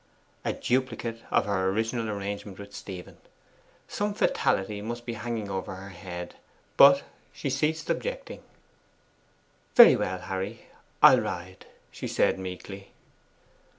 A duplicate of her original arrangement with Stephen. Some fatality must be hanging over her head. But she ceased objecting. 'Very well, Harry, I'll ride,' she said meekly.